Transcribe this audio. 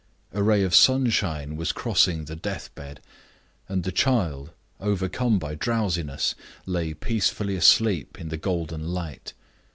A ray of sunshine was crossing the death bed; and the child, overcome by drowsiness, lay peacefully asleep in the golden light.